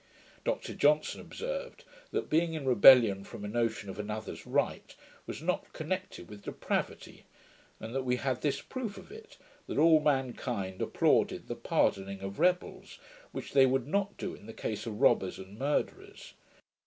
Dr Johnson observed, that being in rebellion from a notion of another's right, was not connected with depravity; and that we had this proof of it, that all mankind applauded the pardoning of rebels; which they would not do in the case of robbers and murderers.